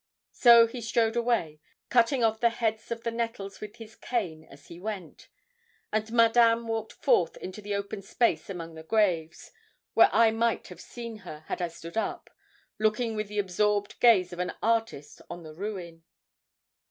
So he strode away, cutting off the heads of the nettles with his cane as he went; and Madame walked forth into the open space among the graves, where I might have seen her, had I stood up, looking with the absorbed gaze of an artist on the ruin.